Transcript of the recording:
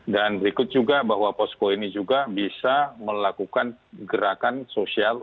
dan berikut juga bahwa posko ini juga bisa melakukan gerakan sosial